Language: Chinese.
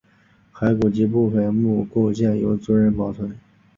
骸骨及部分墓构件由族人保存。